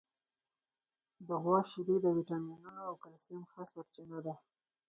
د غوا شیدې د وټامینونو او کلسیم ښه سرچینه ده.